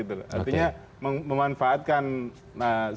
artinya memanfaatkan sebuah